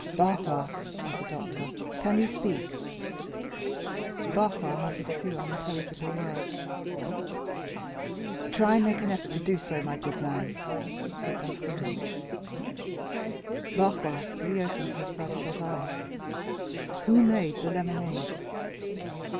"Barrois," said the doctor, "can you speak?" Barrois muttered a few unintelligible words. "Try and make an effort to do so, my good man." said d'Avrigny. Barrois reopened his bloodshot eyes. "Who made the lemonade?"